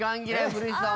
古市さん